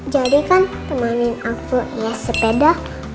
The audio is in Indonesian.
jadi kan temanin aku ya sepeda